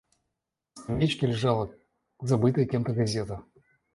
На скамеечке лежала забытая кем-то газета.